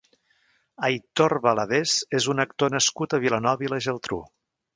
Aitor Valadés és un actor nascut a Vilanova i la Geltrú.